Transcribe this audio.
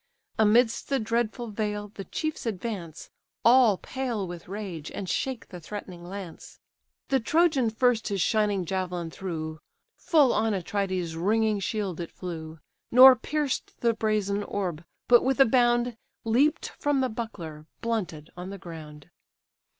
Amidst the dreadful vale, the chiefs advance, All pale with rage, and shake the threatening lance. The Trojan first his shining javelin threw; Full on Atrides' ringing shield it flew, Nor pierced the brazen orb, but with a bound Leap'd from the buckler, blunted, on the ground.